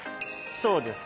そうです。